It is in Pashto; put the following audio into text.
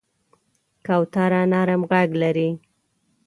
کوتره نرم غږ لري.